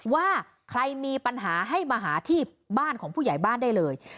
ว่าใครมีปัญหาให้มาหาที่บ้านของผู้ใหญ่บ้านได้เลย